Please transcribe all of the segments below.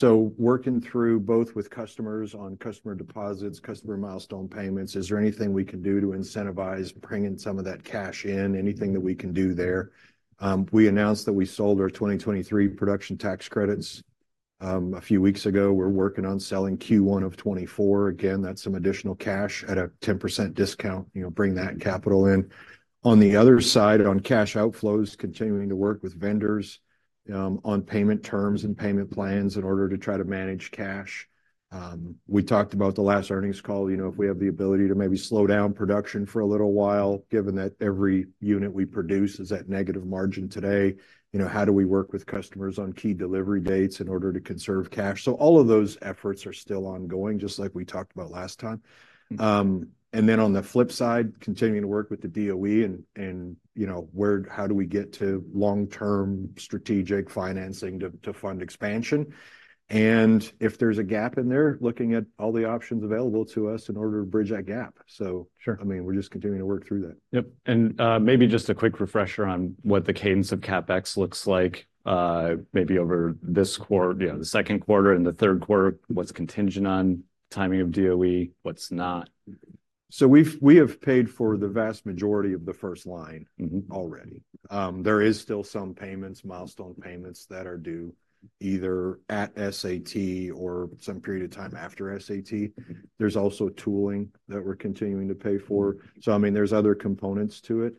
Working through both with customers on customer deposits, customer milestone payments, is there anything we can do to incentivize bringing some of that cash in? Anything that we can do there. We announced that we sold our 2023 production tax credits a few weeks ago. We're working on selling Q1 of 2024. Again, that's some additional cash at a 10% discount, you know, bring that capital in. On the other side, on cash outflows, continuing to work with vendors on payment terms and payment plans in order to try to manage cash. We talked about the last earnings call, you know, if we have the ability to maybe slow down production for a little while, given that every unit we produce is at negative margin today, you know, how do we work with customers on key delivery dates in order to conserve cash? So all of those efforts are still ongoing, just like we talked about last time. And then on the flip side, continuing to work with the DOE and, you know, how do we get to long-term strategic financing to fund expansion? And if there's a gap in there, looking at all the options available to us in order to bridge that gap. So- Sure... I mean, we're just continuing to work through that. Yep, and, maybe just a quick refresher on what the cadence of CapEx looks like, maybe over this quarter, you know, the second quarter and the third quarter. What's contingent on timing of DOE? What's not? So we have paid for the vast majority of the first line- Mm-hmm... already. There is still some payments, milestone payments, that are due, either at SAT or some period of time after SAT. Mm. There's also tooling that we're continuing to pay for. Mm. I mean, there's other components to it.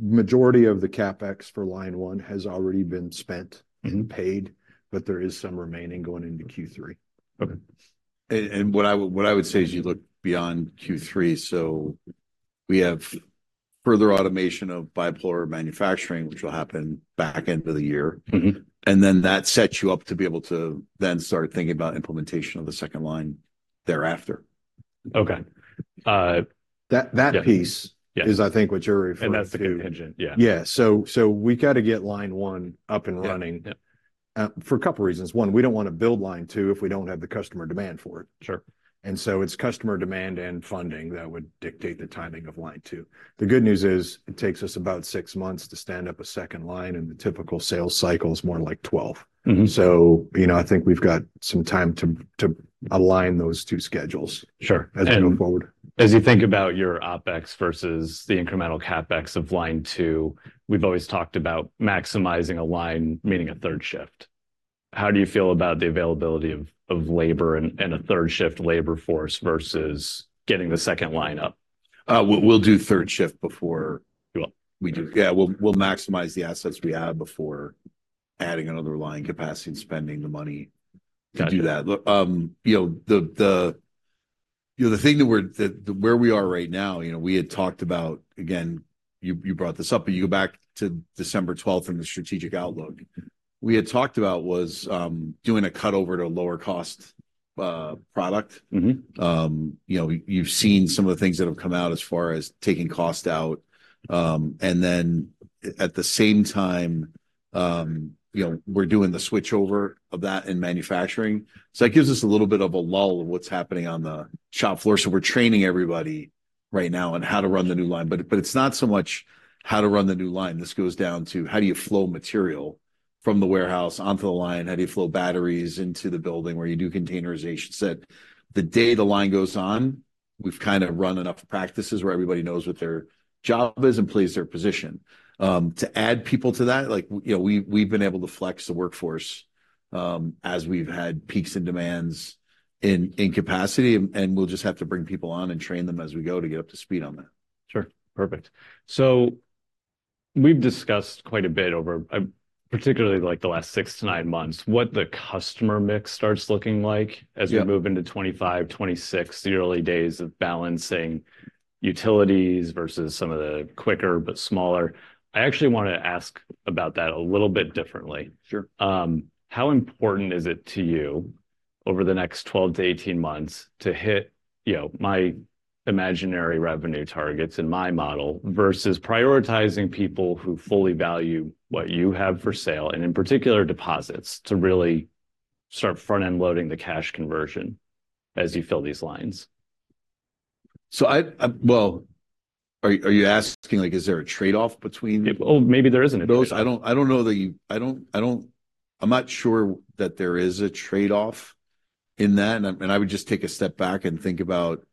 Majority of the CapEx for line one has already been spent. Mm... and paid, but there is some remaining going into Q3. Okay. And what I would say as you look beyond Q3, so we have further automation of bipolar manufacturing, which will happen back end of the year. Mm-hmm. And then that sets you up to be able to then start thinking about implementation of the second line thereafter. Okay. Uh- That piece- Yeah... is, I think, what you're referring to. That's the contingent, yeah. Yeah. So, we gotta get line one up and running- Yeah, yeah... for a couple reasons. One, we don't wanna build line two if we don't have the customer demand for it. Sure. It's customer demand and funding that would dictate the timing of line two. The good news is, it takes us about six months to stand up a second line, and the typical sales cycle is more like 12. Mm-hmm. So, you know, I think we've got some time to align those two schedules- Sure... as we move forward. As you think about your OpEx versus the incremental CapEx of line two, we've always talked about maximizing a line, meaning a third shift. How do you feel about the availability of labor and a third shift labor force versus getting the second line up? We'll do third shift before- Sure... we do. Yeah, we'll, we'll maximize the assets we have before adding another line capacity and spending the money. Sure... to do that. Look, you know, the you know, the thing that we're where we are right now, you know, we had talked about, again, you brought this up, but you go back to December 12th and the strategic outlook. We had talked about was doing a cutover to a lower cost product. Mm-hmm. You know, you've seen some of the things that have come out as far as taking cost out, and then at the same time, you know, we're doing the switchover of that in manufacturing. So that gives us a little bit of a lull of what's happening on the shop floor. So we're training everybody right now on how to run the new line. But it's not so much how to run the new line. This goes down to, how do you flow material from the warehouse onto the line? How do you flow batteries into the building where you do containerization? So, the day the line goes on, we've kind of run enough practices where everybody knows what their job is and plays their position. To add people to that, like, you know, we've been able to flex the workforce as we've had peaks and demands in capacity, and we'll just have to bring people on and train them as we go to get up to speed on that. Sure. Perfect. So we've discussed quite a bit over, particularly, like, the last 6-9 months, what the customer mix starts looking like- Yeah... as we move into 2025, 2026, the early days of balancing utilities versus some of the quicker but smaller... I actually want to ask about that a little bit differently. Sure. How important is it to you, over the next 12-18 months, to hit, you know, my imaginary revenue targets in my model versus prioritizing people who fully value what you have for sale, and in particular, deposits, to really start front-end loading the cash conversion as you fill these lines? So, well, are you asking, like, is there a trade-off between- Well, maybe there isn't a trade-off.... those? I don't know that you, I'm not sure that there is a trade-off in that. And I would just take a step back and think about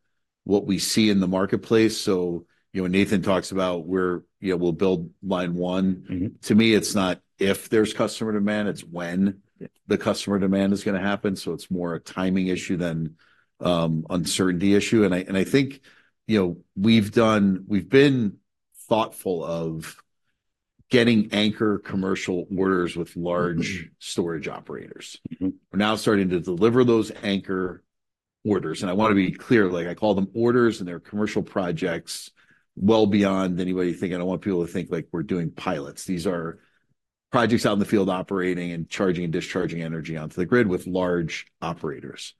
what we see in the marketplace. So, you know, when Nathan talks about where, you know, we'll build line one- Mm-hmm... to me, it's not if there's customer demand, it's when. Yeah... the customer demand is gonna happen. So it's more a timing issue than, uncertainty issue. And I, and I think, you know, we've done, we've been thoughtful of getting anchor commercial orders with large- Mm... storage operators. Mm-hmm. We're now starting to deliver those anchor orders. I wanna be clear, like, I call them orders, and they're commercial projects well beyond anybody thinking... I don't want people to think like we're doing pilots. These are projects out in the field operating and charging and discharging energy onto the grid with large operators.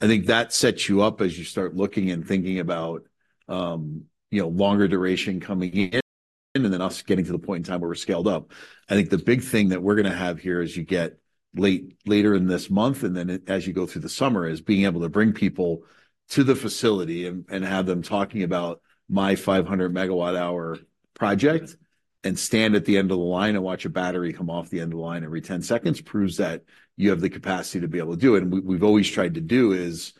I think that sets you up as you start looking and thinking about, you know, longer duration coming in, and then us getting to the point in time where we're scaled up. I think the big thing that we're gonna have here, as you get later in this month, and then as you go through the summer, is being able to bring people to the facility and have them talking about my 500 MWh project... and stand at the end of the line and watch a battery come off the end of the line every 10 seconds proves that you have the capacity to be able to do it. And we, we've always tried to do is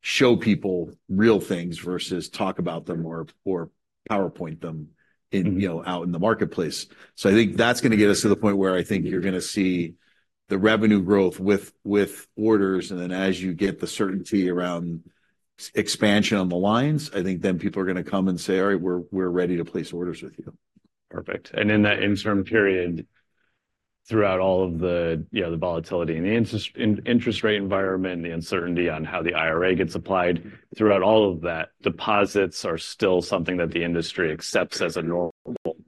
show people real things versus talk about them or, or PowerPoint them in- Mm-hmm... you know, out in the marketplace. So I think that's gonna get us to the point where I think- Mm... you're gonna see the revenue growth with orders, and then as you get the certainty around expansion on the lines, I think then people are gonna come and say, "All right, we're ready to place orders with you. Perfect. And in that interim period, throughout all of the, you know, the volatility and the interest rate environment, the uncertainty on how the IRA gets applied, throughout all of that, deposits are still something that the industry accepts as a normal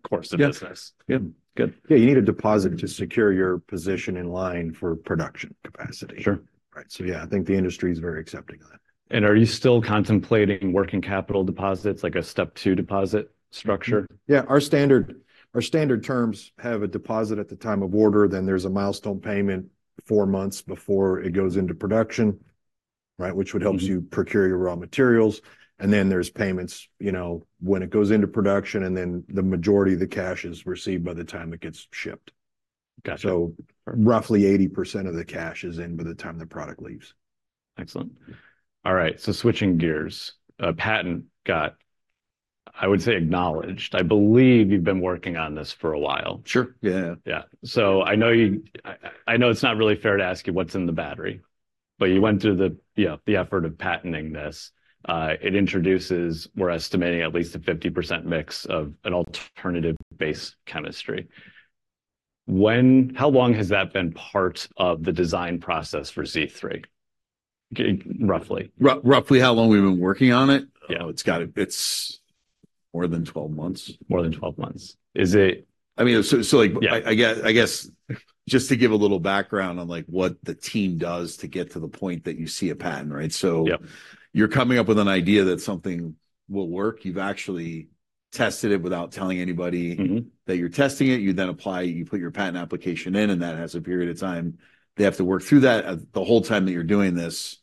course of business? Yeah. Good, good. Yeah, you need a deposit to secure your position in line for production capacity. Sure. Right, so yeah, I think the industry is very accepting of that. Are you still contemplating working capital deposits, like a step two deposit structure? Yeah, our standard, our standard terms have a deposit at the time of order, then there's a milestone payment four months before it goes into production, right? Which would- Mm... helps you procure your raw materials, and then there's payments, you know, when it goes into production, and then the majority of the cash is received by the time it gets shipped. Gotcha. Roughly 80% of the cash is in by the time the product leaves. Excellent. All right, so switching gears. A patent got, I would say, acknowledged. I believe you've been working on this for a while. Sure, yeah. Yeah. So I know it's not really fair to ask you what's in the battery, but you went through the, you know, the effort of patenting this. It introduces, we're estimating, at least a 50% mix of an alternative base chemistry. How long has that been part of the design process for Z3? Roughly. Roughly how long we've been working on it? Yeah. Oh, it's more than 12 months. More than 12 months. Is it- I mean, so, like- Yeah... I guess, just to give a little background on, like, what the team does to get to the point that you see a patent, right? So- Yeah... you're coming up with an idea that something will work. You've actually tested it without telling anybody- Mm-hmm... that you're testing it. You then apply, you put your patent application in, and that has a period of time. They have to work through that. The whole time that you're doing this,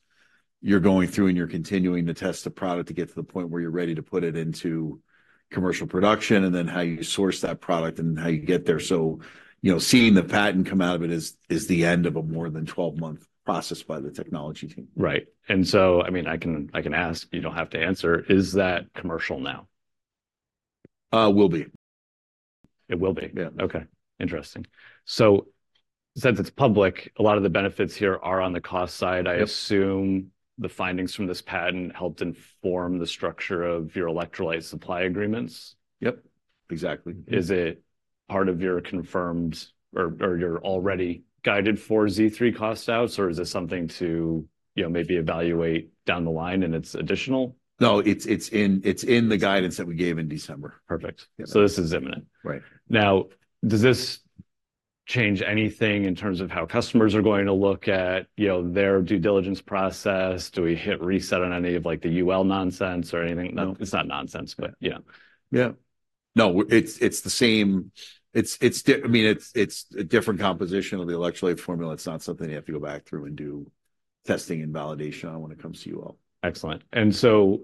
you're going through and you're continuing to test the product to get to the point where you're ready to put it into commercial production, and then how you source that product and how you get there. So, you know, seeing the patent come out of it is, is the end of a more than 12-month process by the technology team. Right. And so, I mean, I can, I can ask, you don't have to answer: Is that commercial now? Will be. It will be? Yeah. Okay, interesting. So since it's public, a lot of the benefits here are on the cost side. Yep. I assume the findings from this patent helped inform the structure of your electrolyte supply agreements? Yep, exactly. Is it part of your confirmed, or your already guided for Z3 cost outs, or is this something to, you know, maybe evaluate down the line and it's additional? No, it's in the guidance that we gave in December. Perfect. Yeah. So this is imminent? Right. Now, does this change anything in terms of how customers are going to look at, you know, their due diligence process? Do we hit reset on any of, like, the UL nonsense or anything? No. It's not nonsense, but yeah. Yeah. No, it's the same. I mean, it's a different composition of the electrolyte formula. It's not something you have to go back through and do testing and validation on when it comes to UL. Excellent. And so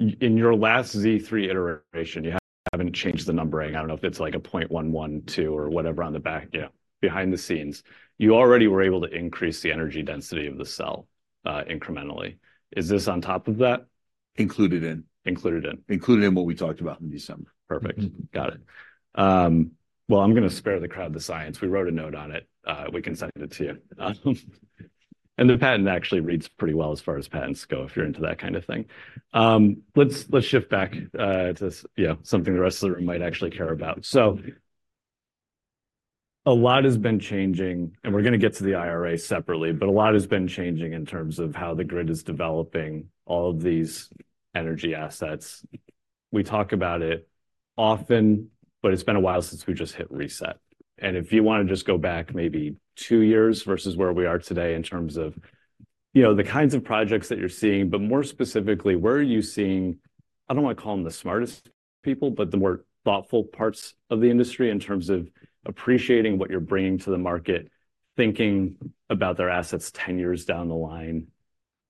in your last Z3 iteration, you haven't changed the numbering. I don't know if it's, like 112 or whatever on the back, you know, behind the scenes. You already were able to increase the energy density of the cell incrementally. Is this on top of that? Included in. Included in. Included in what we talked about in December. Perfect. Mm-hmm. Got it. Well, I'm gonna spare the crowd the science. We wrote a note on it. We can send it to you. And the patent actually reads pretty well as far as patents go, if you're into that kind of thing. Let's, let's shift back to, you know, something the rest of the room might actually care about. So a lot has been changing, and we're gonna get to the IRA separately, but a lot has been changing in terms of how the grid is developing all of these energy assets. We talk about it often, but it's been a while since we just hit reset. If you wanna just go back maybe two years versus where we are today in terms of, you know, the kinds of projects that you're seeing, but more specifically, where are you seeing, I don't wanna call them the smartest people, but the more thoughtful parts of the industry in terms of appreciating what you're bringing to the market, thinking about their assets 10 years down the line,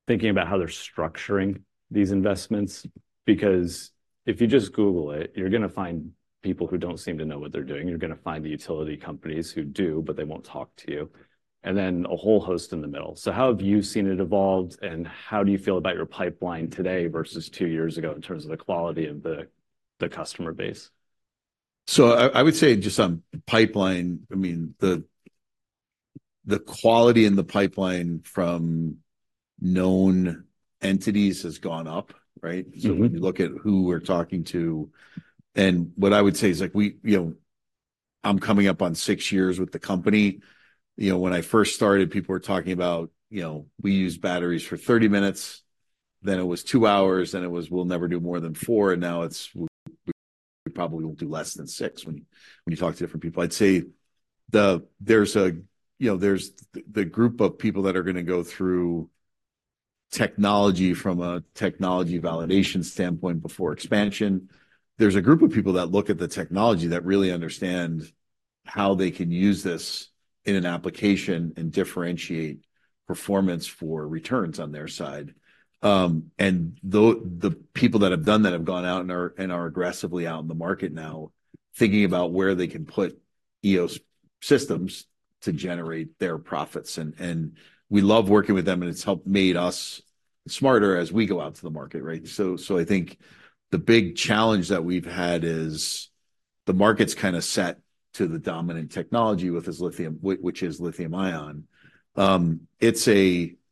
thinking about how they're structuring these investments? Because if you just Google it, you're gonna find people who don't seem to know what they're doing. You're gonna find the utility companies who do, but they won't talk to you, and then a whole host in the middle. How have you seen it evolved, and how do you feel about your pipeline today versus two years ago in terms of the quality of the customer base? I would say just on pipeline, I mean, the quality in the pipeline from known entities has gone up, right? Mm-hmm. So when you look at who we're talking to... And what I would say is, like, we, you know, I'm coming up on 6 years with the company. You know, when I first started, people were talking about, you know, we use batteries for 30 minutes, then it was 2 hours, and it was, "We'll never do more than 4," and now it's, "We, we probably won't do less than 6," when you, when you talk to different people. I'd say there's a, you know, there's the, the group of people that are gonna go through technology from a technology validation standpoint before expansion. There's a group of people that look at the technology that really understand... how they can use this in an application and differentiate performance for returns on their side. The people that have done that have gone out and are aggressively out in the market now, thinking about where they can put Eos systems to generate their profits. And we love working with them, and it's helped made us smarter as we go out to the market, right? So I think the big challenge that we've had is the market's kind of set to the dominant technology, which is lithium-ion.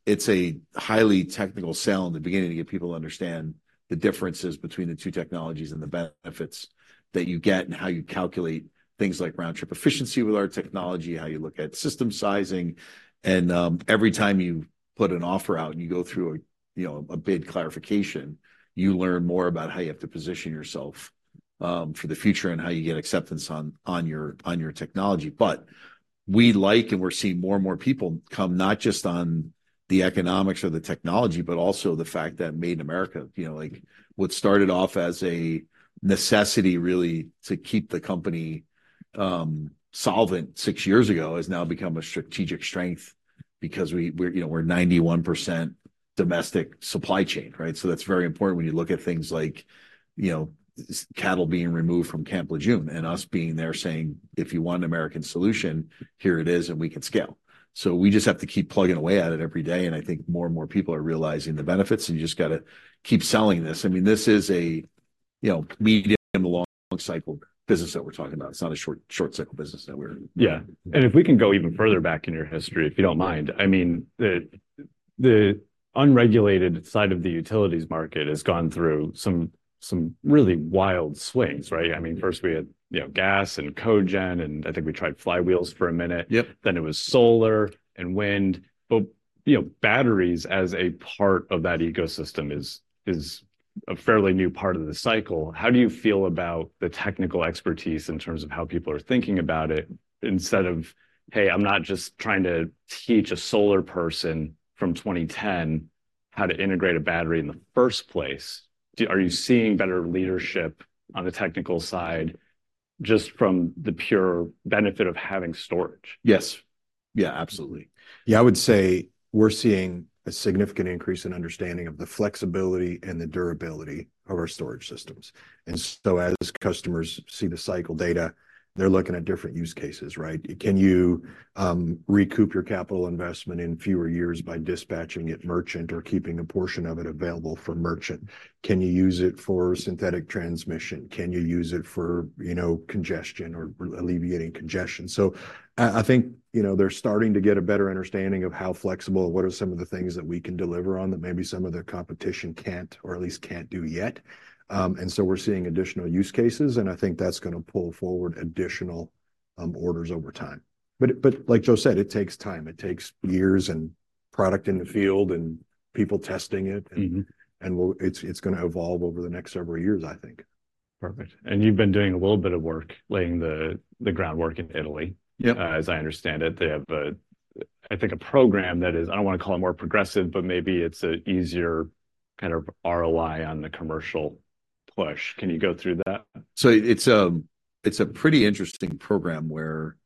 It's a highly technical sell in the beginning to get people to understand the differences between the two technologies and the benefits that you get, and how you calculate things like round-trip efficiency with our technology, how you look at system sizing. Every time you put an offer out, and you go through a, you know, a bid clarification, you learn more about how you have to position yourself, for the future and how you get acceptance on, on your, on your technology. But we like, and we're seeing more and more people come, not just on the economics or the technology, but also the fact that made in America. You know, like, what started off as a necessity really to keep the company, solvent six years ago has now become a strategic strength because we, we're, you know, we're 91% domestic supply chain, right? So that's very important when you look at things like, you know, CATL being removed from Camp Lejeune, and us being there, saying, "If you want an American solution, here it is, and we can scale." So we just have to keep plugging away at it every day, and I think more and more people are realizing the benefits, and you just gotta keep selling this. I mean, this is a, you know, medium- to long-cycle business that we're talking about. It's not a short, short-cycle business that we're- Yeah. And if we can go even further back in your history, if you don't mind. I mean, the unregulated side of the utilities market has gone through some really wild swings, right? I mean, first we had, you know, gas and cogen, and I think we tried flywheels for a minute. Yep. Then it was solar and wind. But, you know, batteries as a part of that ecosystem is, is a fairly new part of the cycle. How do you feel about the technical expertise in terms of how people are thinking about it, instead of, "Hey, I'm not just trying to teach a solar person from 2010 how to integrate a battery in the first place"? Are you seeing better leadership on the technical side, just from the pure benefit of having storage? Yes. Yeah, absolutely. Yeah, I would say we're seeing a significant increase in understanding of the flexibility and the durability of our storage systems. And so, as customers see the cycle data, they're looking at different use cases, right? Can you recoup your capital investment in fewer years by dispatching it merchant or keeping a portion of it available for merchant? Can you use it for synthetic transmission? Can you use it for, you know, congestion or alleviating congestion? So I think, you know, they're starting to get a better understanding of how flexible and what are some of the things that we can deliver on that maybe some of the competition can't or at least can't do yet. And so we're seeing additional use cases, and I think that's gonna pull forward additional orders over time. But like Joe said, it takes time. It takes years, and product in the field, and people testing it- Mm-hmm... and we'll, it's gonna evolve over the next several years, I think. Perfect. You've been doing a little bit of work, laying the groundwork in Italy. Yep. As I understand it, they have a, I think, a program that is... I don't wanna call it more progressive, but maybe it's an easier kind of ROI on the commercial push. Can you go through that? So it's a pretty interesting program, where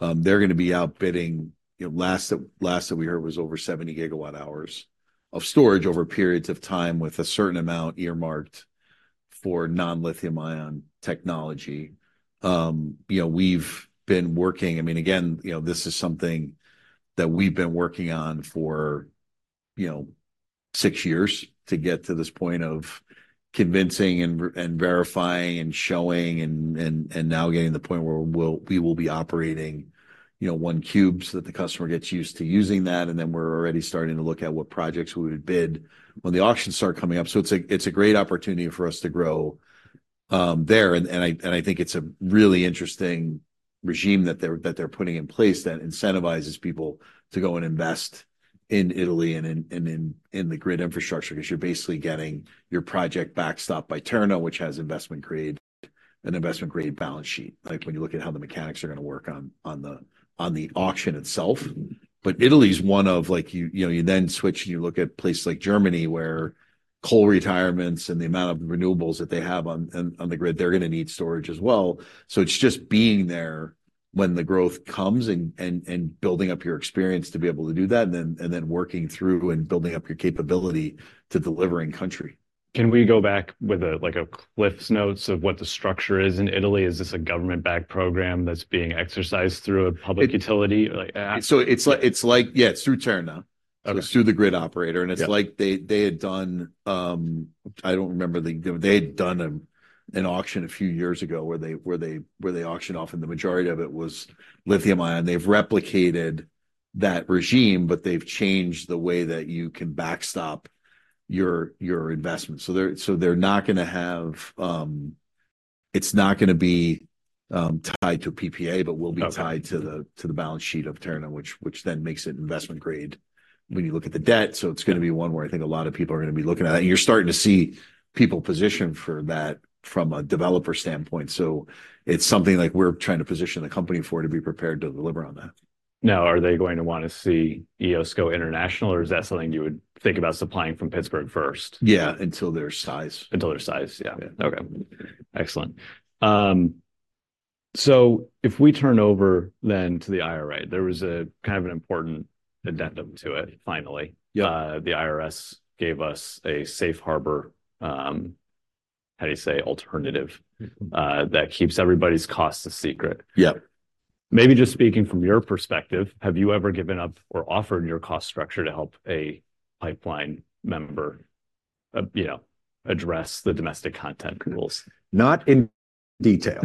they're gonna be outbidding, you know, last that we heard was over 70 GWh of storage over periods of time, with a certain amount earmarked for non-lithium-ion technology. You know, we've been working—I mean, again, you know, this is something that we've been working on for, you know, six years, to get to this point of convincing, and verifying, and showing, and, and, and now getting to the point where we'll, we will be operating, you know, one cube, so that the customer gets used to using that. And then, we're already starting to look at what projects we would bid when the auctions start coming up. So it's a great opportunity for us to grow there, and I think it's a really interesting regime that they're putting in place that incentivizes people to go and invest in Italy and in the grid infrastructure. 'Cause you're basically getting your project backstopped by Terna, which has investment grade balance sheet, like when you look at how the mechanics are gonna work on the auction itself. Mm-hmm. But Italy's one of like you... You know, you then switch, and you look at places like Germany, where coal retirements and the amount of renewables that they have on the grid, they're gonna need storage as well. So it's just being there when the growth comes, and building up your experience to be able to do that, and then working through and building up your capability to deliver in country. Can we go back with like a CliffsNotes of what the structure is in Italy? Is this a government-backed program that's being exercised through a public utility, like a- So it's like... Yeah, it's through Terna. Okay. It's through the grid operator. Yep. And it's like they had done an auction a few years ago, where they auctioned off, and the majority of it was lithium-ion. They've replicated that regime, but they've changed the way that you can backstop your investment. So they're not gonna have, it's not gonna be tied to PPA- Okay... but will be tied to the balance sheet of Terna, which then makes it investment grade when you look at the debt. So it's gonna be one where I think a lot of people are gonna be looking at. And you're starting to see people position for that from a developer standpoint. So it's something like we're trying to position the company for, to be prepared to deliver on that.... Now, are they going to wanna see Eos go international, or is that something you would think about supplying from Pittsburgh first? Yeah, until their size. Until their size, yeah. Yeah. Okay. Excellent. So if we turn over then to the IRA, there was a kind of an important addendum to it finally. Yeah. The IRS gave us a Safe Harbor, how do you say, alternative- Mm-hmm. - that keeps everybody's costs a secret. Yeah. Maybe just speaking from your perspective, have you ever given up or offered your cost structure to help a pipeline member, you know, address the Domestic Content rules? Not in detail.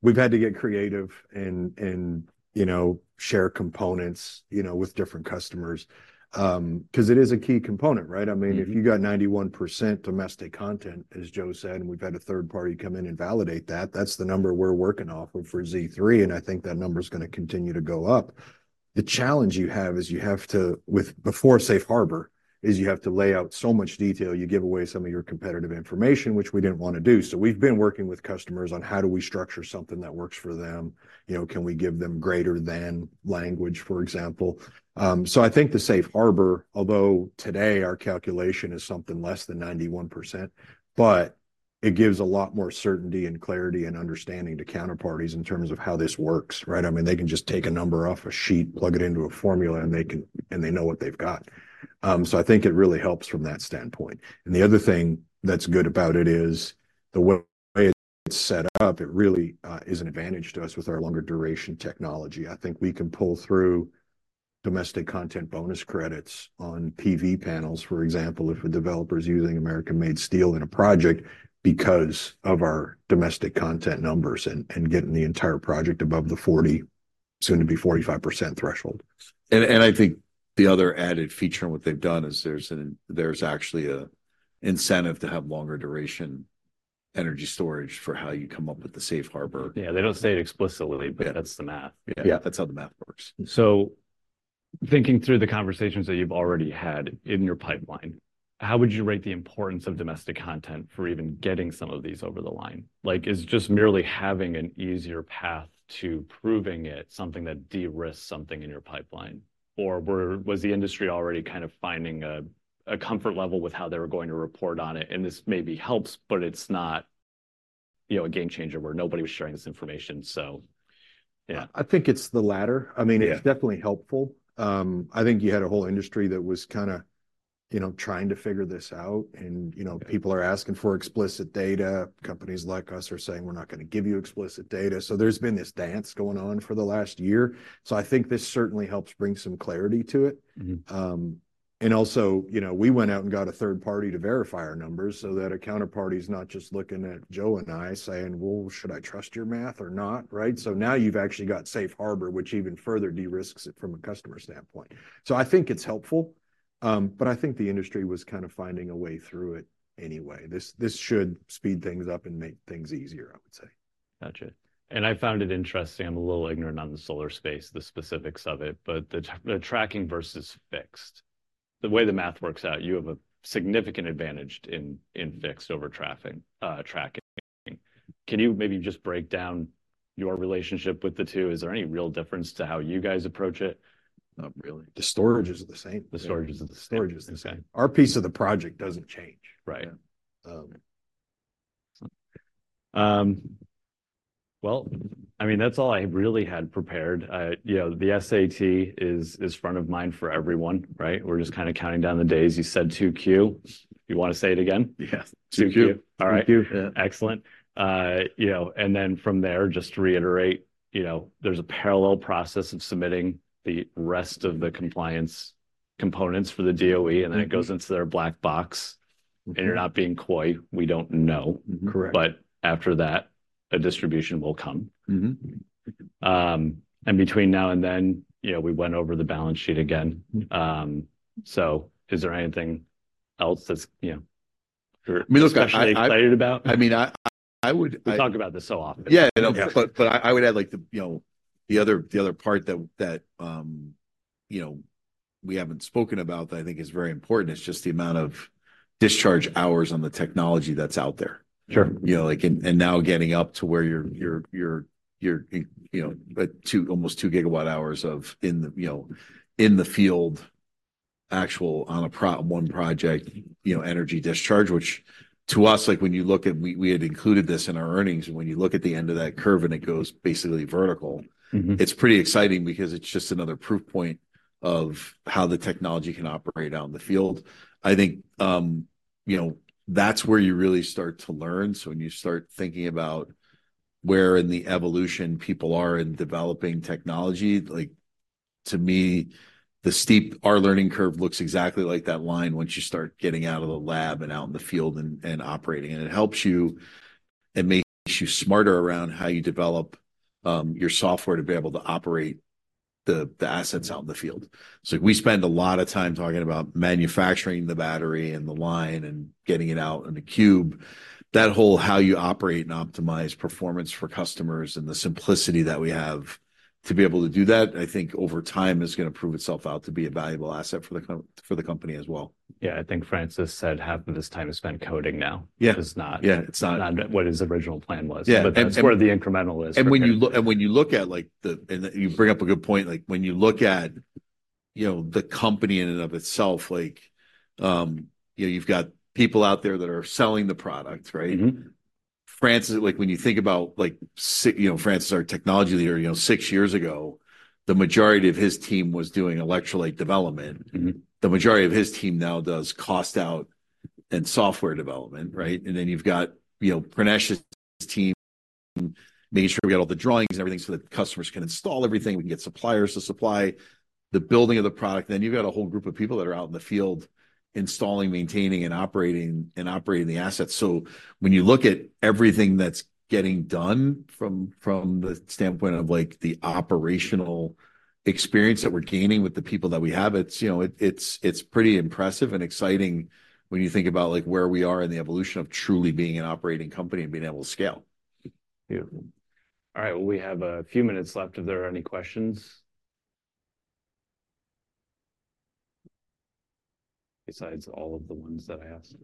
We've had to get creative and you know, share components, you know, with different customers, 'cause it is a key component, right? Mm-hmm. I mean, if you've got 91% domestic content, as Joe said, and we've had a third party come in and validate that, that's the number we're working off of for Z3, and I think that number's gonna continue to go up. The challenge you have is you have to, with, before Safe Harbor, is you have to lay out so much detail, you give away some of your competitive information, which we didn't wanna do. So we've been working with customers on how do we structure something that works for them. You know, can we give them greater-than language, for example? So I think the Safe Harbor, although today our calculation is something less than 91%, but it gives a lot more certainty and clarity and understanding to counterparties in terms of how this works, right? I mean, they can just take a number off a sheet, plug it into a formula, and they can and they know what they've got. So I think it really helps from that standpoint. And the other thing that's good about it is, the way it's set up, it really is an advantage to us with our longer duration technology. I think we can pull through Domestic Content bonus credits on PV panels, for example, if a developer's using American-made steel in a project, because of our Domestic Content numbers and getting the entire project above the 40, soon to be 45% threshold. And I think the other added feature in what they've done is there's actually a incentive to have longer duration energy storage for how you come up with the Safe Harbor. Yeah, they don't say it explicitly- Yeah... but that's the math. Yeah. Yeah, that's how the math works. So thinking through the conversations that you've already had in your pipeline, how would you rate the importance of domestic content for even getting some of these over the line? Like, is just merely having an easier path to proving it something that de-risks something in your pipeline, or was the industry already kind of finding a comfort level with how they were going to report on it, and this maybe helps, but it's not, you know, a game changer where nobody was sharing this information so... yeah. I think it's the latter. Yeah. I mean, it's definitely helpful. I think you had a whole industry that was kinda, you know, trying to figure this out. And, you know, people are asking for explicit data. Companies like us are saying: "We're not gonna give you explicit data." So there's been this dance going on for the last year. So I think this certainly helps bring some clarity to it. Mm-hmm. And also, you know, we went out and got a third party to verify our numbers so that a counterparty's not just looking at Joe and I saying: "Well, should I trust your math or not?" Right? So now you've actually got Safe Harbor, which even further de-risks it from a customer standpoint. So I think it's helpful, but I think the industry was kind of finding a way through it anyway. This should speed things up and make things easier, I would say. Gotcha. And I found it interesting. I'm a little ignorant on the solar space, the specifics of it, but the tracking versus fixed. The way the math works out, you have a significant advantage in fixed over tracking. Can you maybe just break down your relationship with the two? Is there any real difference to how you guys approach it? Not really. The storage is the same. The storage is the same. Storage is the same. Okay. Our piece of the project doesn't change. Right. Yeah. Um... Well, I mean, that's all I really had prepared. You know, the SAT is front of mind for everyone, right? We're just kind of counting down the days. You said 2Q. You wanna say it again? Yes. 2Q. 2Q. 2Q, yeah. All right, excellent. You know, and then from there, just to reiterate, you know, there's a parallel process of submitting the rest of the compliance components for the DOE- Mm-hmm... and then it goes into their black box. Mm-hmm. They're not being coy. We don't know. Mm-hmm. Correct. After that, a distribution will come. Mm-hmm. Mm-hmm. Between now and then, you know, we went over the balance sheet again. Mm. So, is there anything else that's, you know? I mean, look, excited about? I mean, I would... We talk about this so often. Yeah, I know. Yeah. But I would add, like, you know, the other part that you know, we haven't spoken about that I think is very important, is just the amount of discharge hours on the technology that's out there. Sure. You know, like, and now getting up to where your—you know—almost 2 GWh of, in the—you know—in the field, actual on a per one project, you know, energy discharge. Which to us, like, when you look at... We had included this in our earnings, and when you look at the end of that curve and it goes basically vertical- Mm-hmm... it's pretty exciting because it's just another proof point of how the technology can operate out in the field. I think, you know, that's where you really start to learn. So when you start thinking about where in the evolution people are in developing technology, like, to me, the steep, our learning curve looks exactly like that line once you start getting out of the lab and out in the field and operating. And it helps you, it makes you smarter around how you develop your software to be able to operate the assets out in the field. So we spend a lot of time talking about manufacturing the battery, and the line, and getting it out in a cube. That whole how you operate and optimize performance for customers, and the simplicity that we have to be able to do that, I think over time is gonna prove itself out to be a valuable asset for the company as well. Yeah, I think Francis said half of his time is spent coding now. Yeah. Which is not- Yeah, it's not-... not what his original plan was. Yeah, and But that's where the incremental is. You bring up a good point. Like, when you look at, you know, the company in and of itself, like, you know, you've got people out there that are selling the product, right? Mm-hmm. Francis, like, when you think about, like, you know, Francis, our technology leader, you know, six years ago, the majority of his team was doing electrolyte development. Mm-hmm. The majority of his team now does cost out and software development, right? Mm-hmm. And then you've got, you know, Pranesh's team, making sure we got all the drawings and everything so that customers can install everything. We can get suppliers to supply the building of the product. Then, you've got a whole group of people that are out in the field installing, maintaining, and operating the assets. So when you look at everything that's getting done from the standpoint of, like, the operational experience that we're gaining with the people that we have, it's, you know, it's pretty impressive and exciting when you think about, like, where we are in the evolution of truly being an operating company and being able to scale. Yeah. All right, well, we have a few minutes left. Are there any questions? Besides all of the ones that I asked.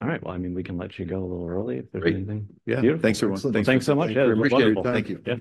All right, well, I mean, we can let you go a little early if there's anything- Great. Beautiful. Yeah, thanks, everyone. Well, thanks so much. Yeah, appreciate it. You're welcome. Thank you. Yeah.